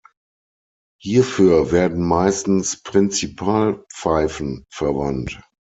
Hierfür werden meistens Prinzipal-Pfeifen verwandt.